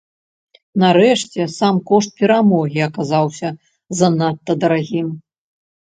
Нарэшце, сам кошт перамогі аказаўся занадта дарагім.